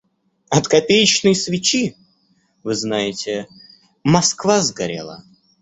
От копеечной свечи, вы знаете, Москва сгорела.